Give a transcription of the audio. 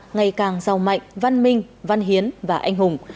ngày càng giàu mạnh văn minh văn hiến và anh hùng